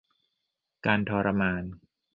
การทรมาน